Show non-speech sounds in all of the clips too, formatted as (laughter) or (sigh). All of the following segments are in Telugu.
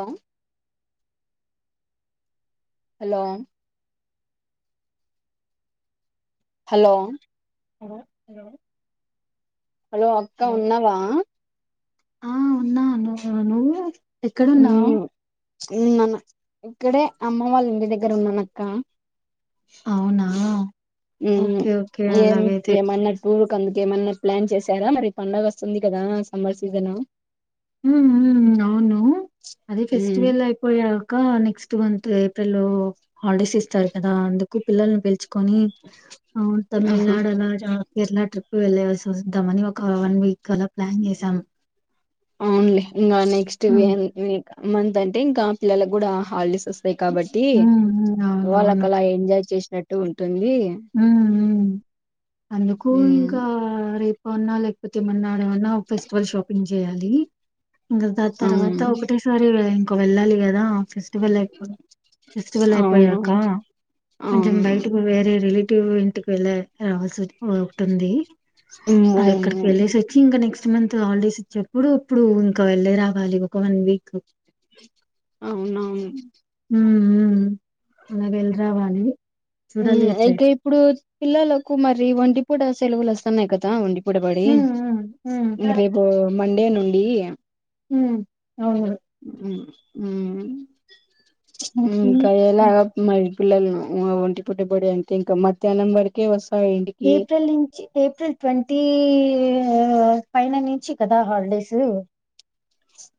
అవ్ హలో హలో (unintelligible) హలో అక్క ఉన్నావా అ ఉన్నా నువెవారు ఎక్కడున్నావ్ ఉమ్ (unintelligible) ఇక్కడే అమ్మ వాళ్ళ ఇంటి దగ్గర ఉన్నానాక్క అవ్ నా ఉమ్ హు ఏం ఏమన్నాటూర్ కద్ ఏమన్నా ప్లాన్ చేశారా మరి పండగోస్తుంది కదా సమ్మర్ సీజను ఉమ్ ఉమ్ అవ్ ను అదే ఉమ్ ఫెస్టివల్ అయిపోయక్క నెక్స్ట్ మంత్ ఏ తేలో హాలిడేస్ ఇస్తారు కదా అందుకు పిల్లల్ను పెంచ్‌ కొన్ని అవున్ ఆహా తమిళ్‌నాడు అలాజ కేర్ళ ట్రిప్ వెలెవస్ వస్తాం అని ఒక వన్ వీక్ కల ప్లాన్ జెసాం అవున్ లే ఇంగా నెక్స్ట్ వెన్ వేక మంత్ అంటే ఇంకా పిల్లలక్ కూడా హాలిడేస్ వస్తాయి కాబట్టి ఉమ్ ఉమ్ అవునవును వాళ్ళకలా ఎంజాయ్ చేస్ నె డు ఇట్ అవ్వి ఉమ్ ఉమ్ అందుకు ఇంకా రేప్ ఉన్నా లేకపోతే, ఏమన్నాడు అన్నా ఒక ఫెస్టివల్ షాపింగ్ చేయాలి. ఇంగా దా అవును తర్వాత ఒకటేసారి క్ వెళ్ళాలి కదా ఆఫీస్ ఫెస్టివల్అయిపో ఫెస్టివల్ అవును అయిపోయాక కొంచెం అవును బయట వేరే రిలీ టివ్ ఇంటికి వెళ్ళ రావాల్సి ఒ ఒకటుంది ఉమ్ అది ఎక్కడికి అవును వెళ్ళేసి వచ్చి ఇంకా నెక్ క్స్ట్ మంత్ హాలిడేస్ ఇచ్చేప్పుడు ఇప్పుడు ఇంకా వెళ్ళే రావాలి ఒక వన్ వీక్ అవునవును మ్ హుమ్మ్ అలా వెల్లి రావాలి హు చూడాలి ఎట్లే ఇంకా ఇప్పుడు పిల్లలకు మరి వంటి పుట సెలవులు వస్తన్నాయ్ కదా వండి పూటబడి అవును రేపు మండే నుండి హు అవును హు హుమ్మ్ హు ఇంకా ఎలా మరి పిల్లలు ఒంటి పుట్టిబడి అంటే ఇంకా మధ్యాహ్నం వరకే వస్ ఏప్రిల్ నుంచి ఏప్రిల్ ట్వంటీ ఎ ఏ పైన నుంచి కదా హాలిడేస్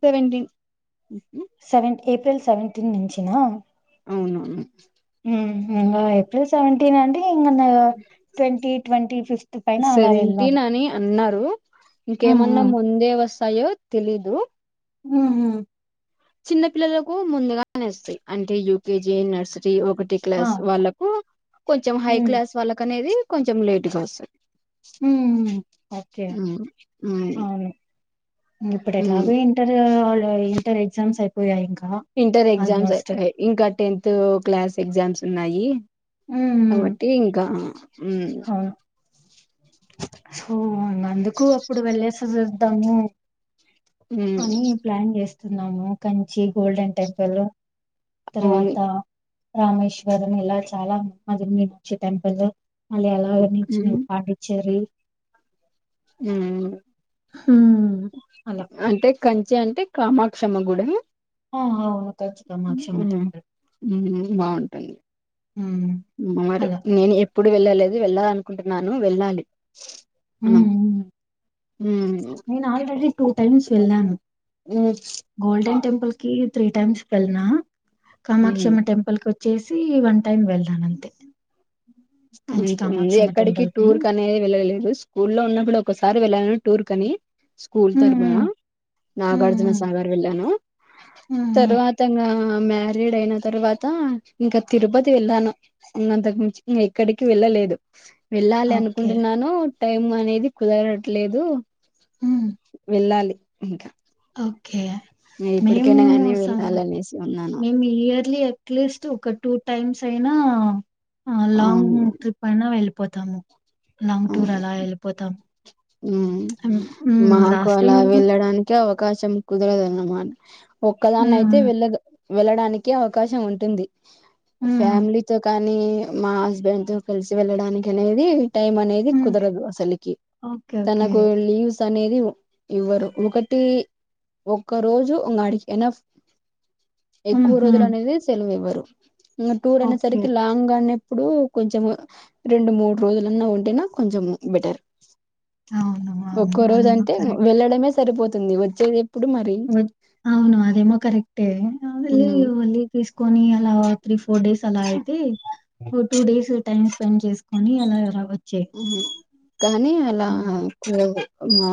సెవెంటీన్ అ సెవెన్ ఏప్రిల్ సెవెంటీన్ నుంచినా అవునవును హు వ్వ ఏప్రిల్ సెవెంటీన్ అండి ఇంగ న ట్వంటీ ట్వంటీ ఫిఫ్త్ పైన అలా వెళ్ళాలి రు హ్మ్ ఇంకేమన్నా హ్మ్ ముందే వస్ స్తాయో తెలీదు హు హు చిన్న పిల్లలకు ముందుగానోస్తాయి అంటే యూకేజీ నర్సరీ ఒ కటి ఆ క్లాస్ వాళ్ళకు కొంచెం హై హ్మ్ క్లాస్ వాళ్ళకు అనేది కొంచెం లేటుగా వస్తది, హ్మ్ ఓకే ఉమ్ ఉమ్ అవును ఇప్పుడు ఉమ్ ఎట్లాగో ఇంటరు వాళ్ళ ఇంటర్ ఎగ్జామ్స్ అయిపోయాయి ఇంకా ఇంటర్ ఎగ్జామ్స్ ఆల్మోస్ట్ అయిపోయాయ్, ఇంకా టెన్త్ క్లాస్ ఎగ్జామ్స్ ఉన్నాయి ఊహూ కాబట్టి ఇంకా ఉమ్ అవును సో అందుకు అప్పుడు వెళ్లేసోస తము ఉమ్ అని ప్లాన్ చేస్ స్తున్నాము కంచి గోల్డెన్ టెంపుల్ అవును తర్వాత రామేశ్వరం ఇలా చాలా మంచి మంచి టెంపుల్ మళ్ళీ అలాగ నించుని ఉమ్ పాండిచ్చేరు ఊమ్ హూ అలా చి అంటే కామాక్షమ్మ గుడా ఆ అవును ఖచ్చితంగా క్షమత. ఊహూ బాగుంటుంది హ్మ్. మరి అలా. నేను ఎ ఎప్పుడు వెళ్ళలేదు వెళ్ళాలన్ నుకుంటున్నాను వెళ్ళాలి హ్మ్. మనం హ్మ్. ఉమ్ నేను ఆల్రెడీ టూ టైమ్స్ వెళ్ళాను, ఉమ్ గోల్డెన్ టెంపుల్ కి త్రీ టైమ్స్ కల్నా ఉమ్ కామాక్షమ్మ టెంపుల్ కొ చేసి వన్ టైం వెళ్తానంతే అంతే ముందు ఎక్కడికి టూర్ కనేది వెళ్ళలేదు స్కూల్ లో ఉన్నప్పుడు ఒకసారి వెళ్ళాను టూర్ కని స్కూల్ హ్మ్. తరుపున హ్మ్. హ్మ్. హ్మ్. నాగార్జునసాగర్ వెళ్ళాను, హ్మ్. హ్మ్. తర్వాత నా మ్యారీడ్ అయిన తర్వాత ఇంకా తిరుపతి వెళ్ళాను ఇంగ అంతకు మించి ఎక్కడికి వెళ్ళలేదు వెళ్ళాలి ఓకే. అనుకుంటున్నాను టైం అనేది కుదరట్లేదు వెళ్ళాలి ఇంకా అ ఇక మేము ఇప్పటికైనా కానీ స వెళ్ళాలనేసి ఉన్నాను మేము ఇయర్లీ అట్లీస్ట్ ఒక టూ టైమ్స్ అయినా లాంగ్ అవును ట్రిప్ అయిన వెల్ పోథాము లాంగ్ టూర్ అవును అలా వెళ్ళిపోతాం ఉమ్ హ్మ్. హ్మ్. మాకు లాస్ట్ అలా టైమ్ హ్మ్. వెళ్ళడానికి ఒ అవకాశం కుదరదనమాట్ ఒక్కదాన్నయితే హ్మ్. వెళ్ళదు వెళ్ళడానికి అవకాశం ఉంటుంది హ్మ్. ఫ్యామలీతో కాని కాని మా హస్బెండ్ తో కలిసి వెళ్ళడానికి అనేది టైం అనేది హ్మ్. కుదరదు అసలికి ఓకే. ఓకే. తనకు వెళ్ళి స్ అనేది ఇవ్వరు ఒకటి ఒక్క రోజు ఇంగ ఆడికి ఎనఫ్ ఎక్కువ హుహు. రోజులు అనేది సెలవు ఇవ్వరు ఇంగ టూర్ అనే ఓకే. సరికి లాంగ్ అనే ఇప్పుడు కొంచెం రెండు మూడు రోజులన్నా ఉంటేనా కొంచం బెటర్ అవును. అవును. ఒక్కో రోజు అదేమో అంటే కరెక్టే. వెళ్లడమే సరిపోత్ స్తుంది వచ్చేది ఎప్పుడు మరి అవును అదేమో కరెక్టే ఆ వెళ్లి ఉమ్ లీవ్ తీసుకోని ఇయ్యాల త్రిఫ్ ఫోర్ డేస్ అలా అయితే టూ డేస్ టైమ్స్ స్పెండ్ చేసుకొని అలా రావ మ్ హు కానీ అలా కుదర మా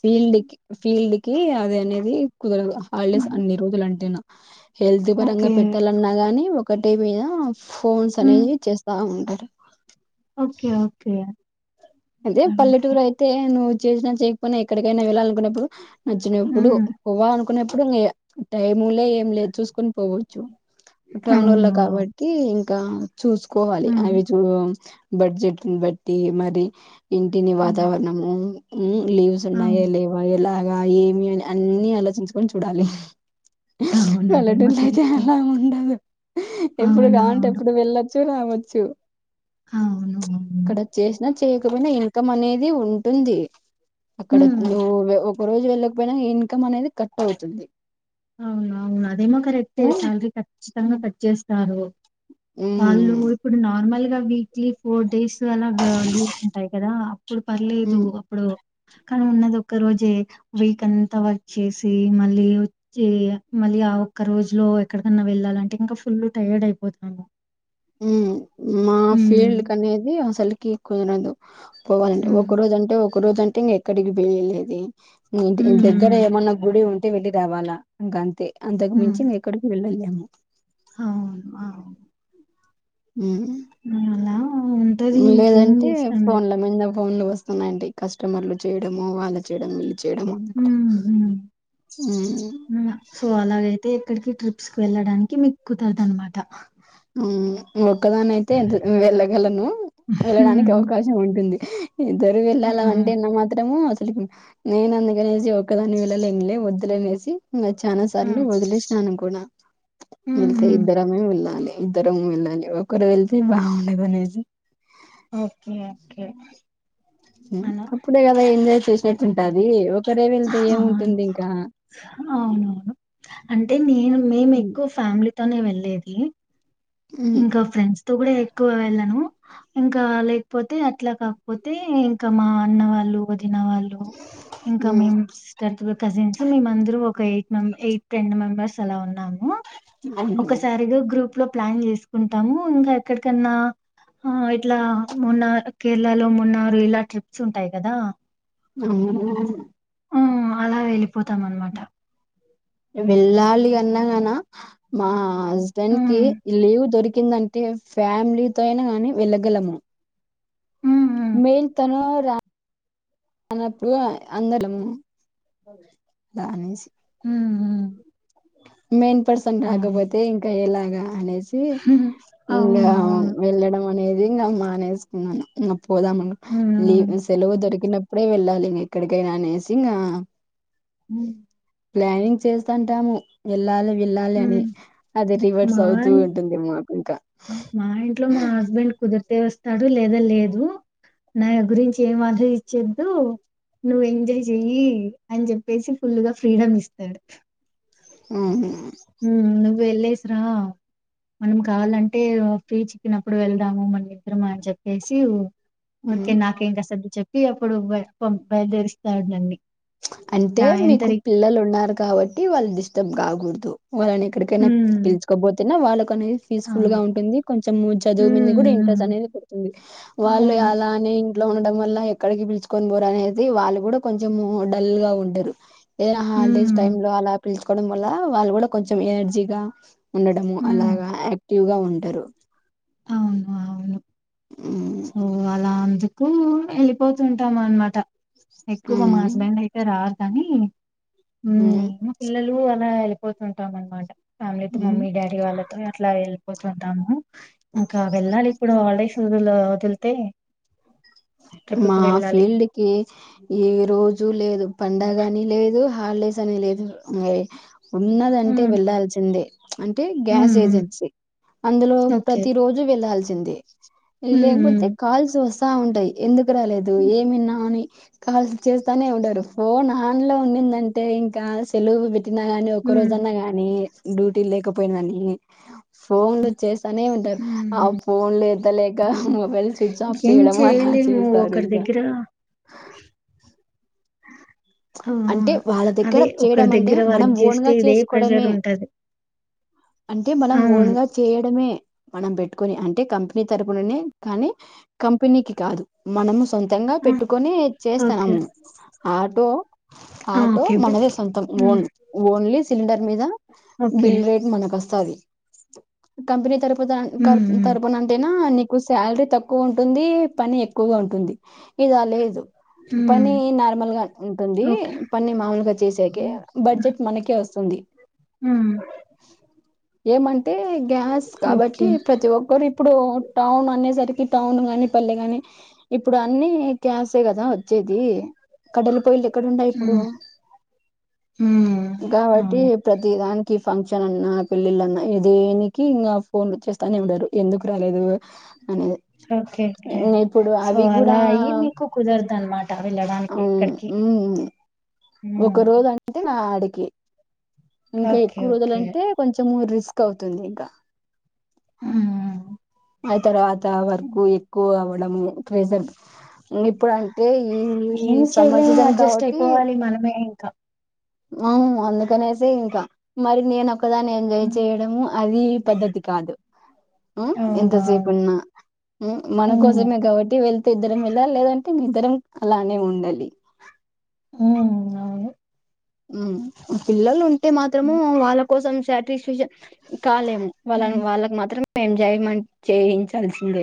ఫీల్డ్ కి ఫీల్డ్ కి అది అనేది హాలిడేస్ హ్మ్. అన్ని రోజులు అంటేనా హెల్త్ పరంగా ఓకే. పెట్టాలన్నా గాని కట్టేమీద ఫోన్స్ హ్మ్. అనేవి చేస్తా ఉం టరు. ఓకే ఓకే కే అదే పల్లెటూరు అయితే న విజనా చేయకపోయి ఎక్కడికైనా వెల్లాలనుకున్నప్పుడు నచ్చినప్పుడు హ్మ్. పోవ్వా అను నప్పుడు టైము లే చూసుకని పోవచ్చు టౌన్ లో అవును. అవును. కాబట్టి ఇంకా ఇంకా చూసుకోవాలి హ్మ్. అవి చూ బడ్జెట్ని బట్టి మరి ఇంటిని అవును. వాతావరణము ఉ లీవ్స్ ఉన్నాయా అవును. లేవా ఎలా ఏమి అని అన్ని ఆలోచించుకొని చూడాలి అవును. అదేమో వెలడలయితే కరెక్టే. అలా ఉండదు ఎప్పుడు కావుంటే అవునవును. ఎప్పుడు వెళ్ళొచ్చు రావచ్చు చ్చు అవును. అవును. ఇక్కడ చేసిన చేయకపోయినా ఇన్కం అనేది ఉంటుంది అక్కడ హ్మ్. నువ్ ఒక రోజు వెళ్ళకపోయినా ఇన్కమ్ అనేది కట్ అవుతుంది అవున అవును అదేమో కరెక్టే ఉమ్ శాలరీ ఖచ్చితంగా కట్ చేస్తారు వాళ్ళు ఉమ్ ఇప్పుడు నార్మల్ వీక్లీ ఫోర్ డేస్ అలా లీవ్స్ ఉంటాయి కదా అప్పుడు పర్లేదు ఉమ్ అప్పుడు కానీ ఉన్నది ఒక్క రోజే వీక్ అంతా వర్క్ చేసి మళ్ళీ మళ్ళీ ఆ ఒక్క రోజులో ఎక్కడికన్నా వెళ్ళాలంటే ఇంకా ఫుల్ టైర్డ్ అయిపోతాము ఉమ్ మా హ్మ్. ఫీల్డ్ కనేది అసలుకిక్కునదు పోవాలంటడి హ్మ్. ఒక రోజు అంటే ఒక రోజు అంటే ఇంక ఎక్కడికి వెళ్ళలేది దగ్గర హ్మ్. ఏమన్నా గుడి ఉంట అ వెళ్ళి రావాలా ఇంకా అంతే అంతకు హ్మ్. మించి మే ఎక్కడికి వెళ్ళలేం అను అవును అ హమ్ ఉంటది ఇంకేం లేదంటే చేస్తాం చెప్పు. ఫోన్ల మింద ఫోన్లు వస్తున్నాయండి కస్టమర్లు చేయడమో వాళ్ళు చేయడమో చేయడమో హ్మ్. హ్మ్. హ్మ్మ్ ఇక్కడికి ట్రిప్స్కిి వెళ్ళడానికి మీకు కుదరదు అనమాట హ్మ్మ్ ఒకదానీ అయితే ఎ వెళ్ళగలను వెళ్ళడానికి హ్మ్. అవకాశం ఉంటుంది ఆ ఇద్దరు వెళ్ళాల హుహు. అంటేన్న మాత్రము నేను అందుకనేసి ఒకదాని వెళ్లలేం వదులనేసి ఇ చానా సార్లు హ్మ్. వదిలేసి స్నాన పనా వెళ్తే హుహు. ఇద్దరమే వెళ్ళ ఇద్దరు వెళ్ళాలి ఒకరు వెళ్లితే బాగుండదనేసి ఓకే ఓకే అలా. అప్పుడే కదా ఎంజాయ్ చేసేట్టుంటాది ఒకరే వెళ్తే ఆ! ఏముంటుంది ఇంకా అవునవును. తనే వెళ్లేది ఇంకా ఫ్రెండ్స్ తో కూడా ఎక్కువ వెళ్ళను ఇంకా లేకపోతే అట్లా కాకపోతే ఇంకా మా అన్న వాళ్ళు తిన వాళ్ళు ఇంకా ఉమ్ మేం తర్త్ కజిన్స్ మేమందరూ ఒక ఎయిట్ ఎయిట్ టెన్ మెంబెర్స్ అలా ఉన్నాం ఉమ్ ఒకసారిగా గ్రూప్ లో ప్లాన్ చేస్త కుంటాము ఇంకా ఎక్కడికన్నా ఇట్లా మొన్న కేరళలో మొన్న ఇలా ట్రిప్స్ ఉంటాయి కదా అ ఆ అలా వెళ్ళిపోతాం అనమాట వెళ్ళాలి అన్నాగాన మా ఆ హస్బెండ్ కి ఉమ్ లీవ్ దొరికి కిిందంటే ఫ్యామిలీతో అయినా గాని వెళ్ళగలము హ్మ్మ్ మెన్ తను రా రానప్పుడు అందరము రానేసి ఉమ్ మెయిన్ పర్సన్ ఉమ్ ఉమ్ అవును రాకపోతే ఇంక యలాగ అనేసి హ్మ్. ఇంకా అవును అవును వెళ్ళడం అనేది ఇంకా మానేసుకున్నాను. పోదామని ఉమ్ సెలవు దొరకి. అప్పుడే వెళ్ళాలి ఇంకా ఎక్కడికైనా అనేసి ఇంకా ఉమ్ ప్లానింగ్ చేస్త కంటాము. ఎల్ వెళ్ళాలి అని ఉమ్ అది రివర్స్ మా అవుతూ ఇం ఉంటుంది. ఇంకా మా ఇంట్లో మా హస్బెండ్ కుదిరు తే వస్తాడు. లేదా లేదు నా గురించి ఏం ఆలోచ్చేద్దు నువ్వు ఎంజాయ్ చెయ్యి అని చెప్పేసి ఫుల్గా ఫ్రీడమ్ ఇస్తాడు. ఆ నువ్వు వెళ్ళసిరా మనం కావాలంటే ఫ్రీ చిక్కినప్పుడు వెళదాము. మన ఇద్దరమా అని చెప్పేసి హ్మ్. ఉరికే నాకే ఇంకా అసలు. అప్పుడు బయలుదేరిస్తాడు. అంటే మీకు పిల్లలు ఉన్నారు కాబట్టి వాళ్ళు డిస్టర్బ్ కాకూడదు. వాళ్ళని ఎక్కడికైనా హ్మ్ పిలుచుకోపోతేనే వాళ్ళకు అనేది పీస్ఫుల్ గా అవును ఉంటుంది. కొంచెం చదువు మీద హ్మ్ కూడా ఇంట్రెస్ట్ హ్మ్. అనేది పుడుతుంది. వాళ్ళు అవును అలా అనే ఇంట్లో ఉండడం వల్ల ఎక్కడికి పిలుచుకొని పోరు అనేది వాళ్ళు కూడా కొంచెం. డల్ గా ఉంటరు. ఏదైనా హాలిడేస్ టైమ్ హ్మ్ లో అలా పిలుచుకోవడం వల్ల వాళ్ళు కూడా కొంచెం ఎనర్జీగా ఉండటము హ్మ్ అలాగా యాక్టివ్గా ఉంటారు. అవును అవును ఉమ్ సో అలా కు వెళ్ళిపోతుంటాము అనమాట. ఎక్కువ మా మా ఉమ్ హస్బెండ్ అయితే రాడు. కానీ ఉమ్ పిలల్లు అలా పోతుంటాం అన్నమాట. ఫ్యామిలీతో ఉమ్ మమ్మీ డాడీ వాళ్ళతో అట్లా పోతుంటాము. ఇంకా వెళ్ళాలి ఇప్పుడు వదులుతే మా ఫీల్డ్కి ఏ రోజు లేదు. పండగ అని లేదు హాలిడేస్ అని లేదు. ఉన్నదంటే హ్మ్ వెళ్ళల్సిందే అంటే గ్యాస్ హ్మ్ హ్మ్. ఏజెన్సీ అందులో ఓకే ప్రతి రోజు వెళ్లాల్సింది హ్మ్ లేకపోతే హ్మ్ కాల్స్ వస్తా ా ఉంటాయి ఎందుకు రాలేదు హ్మ్ ఏమన్నా అని కాల్స్ చేస్తానే ఉండరు ఫోన్ ఆన్ లో ఉందంటే ఇంకా సెలవు పెట్ తిన గాని ఒక్క హ్మ్. రోజన్నా గాని డ్యూటీ లేకపోయినన్ని ఫోన్లు వచ్చే నే ఉంటారు ఆ ఉమ్ ఫోన్లే త లేక మొబైల్ స్విచ్ ఆఫ్ చేయడం అలా నువ్ చేస్తారు ఒకరి ఇంకా దగ్గర ఆ అంటే వాళ్ళ దగ్గర అదే ఒకరి చేయడం అంటే దగ్గర మనం వర్క్ చేస్తే ఓన్గా ఇదే ప్రెజర్ చేసుకోవడమే ఉంటది అంటే మనం అవును ఓన్గా చేయడమే మనం పెట్టుకొని అంటే కంపెనీ తరపుననే కానీ కంపెనీకి కాదు మనము సొంతంగా పెట్టుకొని ఓకే చేస్తాన్నాము ఆ బో ఆ ఆటో ఓకే బ్రో మనదే సొంతం ఉమ్ ఓన్ ఓన్లీ సిలిండర్ మీద ఓకే బిల్ రేట్ మనకు వస్ కంపెనీ తరుపున క ఉమ్ తరపున అంటేనా నీకు నాకు శాలరీ తక్కువ ఉంటుంది పని ఎక్కువగా ఉంటుంది ఇగ లేదు ఉమ్ ఉమ్ పని నార్మల్ గా దీ ఓకే పని మామలుగా చేసాకే బడ్జెట్ మనకే వస్తుంది ఉమ్ ఏమైంది ఐతే గ్యాస్ కాబట్టి ఓకే ప్రతి ఒక్కరు ఇప్పుడు టౌన్ అనేసరికి టౌన్ ని పల్లె గాని ఇప్పుడు అన్ని గ్యాసే కదా వచ్చేది కట్టేల పొయ్యి ఇక్కడండయి ఇప్పుడు ఉమ్ ఉమ్ గాబట్టి అవును ప్రతి దానికి ఫంక్షన్ అన్నా పెళ్ళిళ్ళఅన్నా ఏ దేనికి ఇంగా ఫోన్లు చేస్తానే వచ్చేస్తాని ఉండరు ఎందుకు రాలేదు అనేది ఓకేకే ఇప్పుడు సో అవి కూడా అలా అయ్యి మీకు కుదరదు అన్నమాట వెళ్ళడానికి ఎక్కడికి హమ్ ఉమ్ ఒక రోజు అంటే నా గే ఇంకా ఓకే ఎక్కువ ఓకే రోజులంటే కొంచెము రిస్క్ కవుతుంది ఇంక ఉమ్ ఆ తర్వాత వర్క్ ఎక్కువ అవ్వడం ప్రెజెంట్ ఇంగ ఇప్పుడు అంటే ఈ ఈ ఏం సమ్మర్ సీజన్ కాబట్టి క్క ఉమ్ అందుకనేసే ఇంకా మరి నేను ఒక్కదాన్ని ఎంజాయ్ చేయడము అదీ పద్ధతి కాదు ఉమ్ అవును ఎంతసేపు అవును ఉన్నా మ్ ఉమ్ మనకోసమే కాబట్టి ళ్తే ఇద్దరం వెళాలి లేదంటే ఇంగ ఇద్దరం అలానే ఉండాలి ఉమ్ అవును ఉమ్ పిల్లలు ఉంటే మాత్రము వాళ్ళ కోసం శాటిన్ ఫ్యూజన్ ఈ కాలేమో బలం హ్మ్. వాళ్ళకి మాత్రం ఎంజాయ్మెంట్ చేయించాల్సిందే